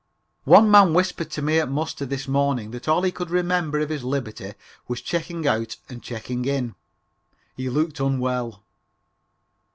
One man whispered to me at muster this morning that all he could remember of his liberty was checking out and checking in. He looked unwell.